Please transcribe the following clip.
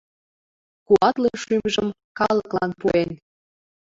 Куатле шӱмжым калыклан пуэн